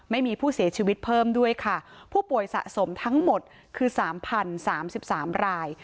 ไม่มีผู้เสียชีวิตเพิ่มด้วยค่ะผู้ป่วยสะสมทั้งหมดคือ๓๐๓๓ราย